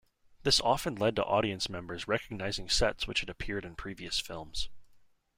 This often led to audience members recognising sets which had appeared in previous films.